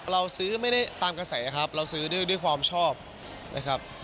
เราซื้อไม่ได้ตามกระแสครับเราซื้อด้วยความชอบนะครับ